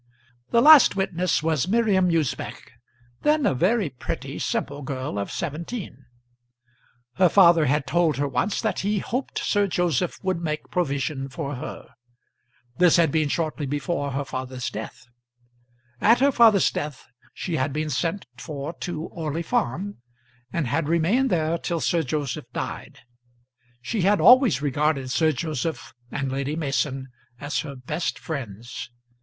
The last witness was Miriam Usbech, then a very pretty, simple girl of seventeen. Her father had told her once that he hoped Sir Joseph would make provision for her. This had been shortly before her father's death. At her father's death she had been sent for to Orley Farm, and had remained there till Sir Joseph died. She had always regarded Sir Joseph and Lady Mason as her best friends.